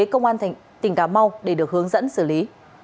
công an tỉnh cà mau để được hướng dẫn xử lý